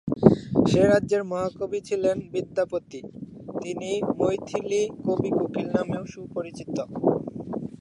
সে রাজ্যের মহাকবি ছিলেন বিদ্যাপতি, তিনি মৈথিলী কবি কোকিল নামেও সুপরিচিত।